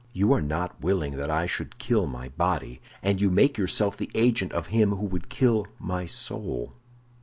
You are not willing that I should kill my body, and you make yourself the agent of him who would kill my soul."